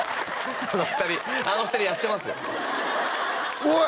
あの２人あの２人やってますよおい！